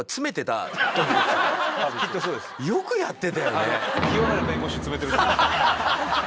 よくやってたよね。